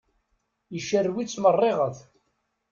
Icerrew-itt meṛṛiɣet.